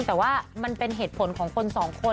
แต่ว่ามันเป็นเหตุผลของคนสองคน